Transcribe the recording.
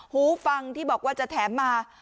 หูฟังที่บอกว่าจะแถมมา